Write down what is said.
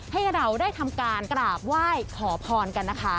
ให้เราได้ทำการกราบไหว้ขอพรกันนะคะ